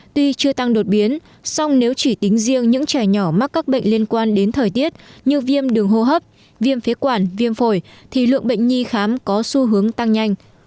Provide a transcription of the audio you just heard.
tuy chưa tăng đột biến song nếu chỉ tính riêng những trẻ nhỏ mắc các bệnh liên quan đến thời tiết như viêm đường hô hấp viêm phế quản viêm phổi thì lượng bệnh nhi khám có xu hướng tăng nhanh